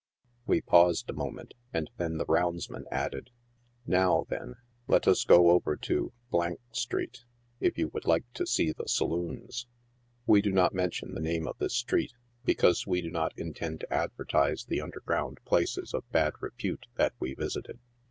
We paused a moment, and then the roundsman added —" Now, then, let us go over to street, if you would like to see the saloons." We do not mention the name of this street, because we do not in TIIE LAIRS OF MISERY AND CRIME. 99 tend to advertise the underground places of bad repute that we vis ited.